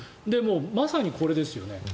まさにこれですよね。